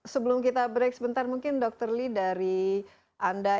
sebelum kita break sebentar mungkin dr lee dari anda